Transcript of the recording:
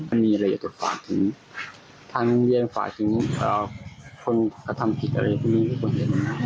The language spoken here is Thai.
มันมีระยะตรวจฝากถึงทางโรงเรียนฝากถึงคนทำผิดอะไรกับคนเหตุ